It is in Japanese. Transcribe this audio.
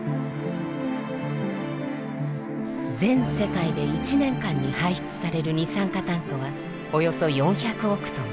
全世界で１年間に排出される二酸化炭素はおよそ４００億トン。